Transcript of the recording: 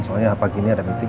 soalnya pagi ini ada meeting